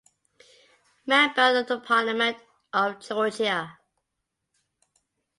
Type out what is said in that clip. Member of the Parliament of Georgia.